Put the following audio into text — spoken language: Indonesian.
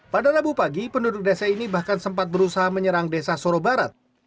pada rabu pagi penduduk desa ini bahkan sempat berusaha menyerang desa soro barat